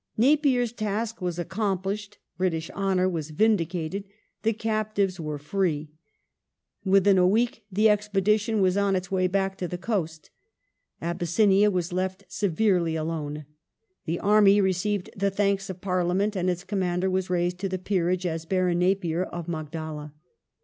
Napier's task was accomplished, British honour was vindicated, the captives were free. Within a week the expedition was on its way back to the coast. Abyssinia was left severely alone ; the army received the thanks of Parliament, and its Commander was raised to the Peerage as Baron Napier of Magdala.